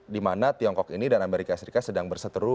dimana tiongkok ini dan amerika serikat sedang berseteru